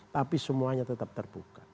tapi semuanya tetap terbuka dan berubah ubah